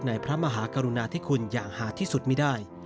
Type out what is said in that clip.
พระมหากรุณาธิคุณอย่างหาที่สุดไม่ได้